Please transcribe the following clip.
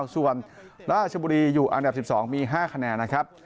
ส่วนราชบุรีอยู่อันดับ๑๒มี๕คะแนนนะครับ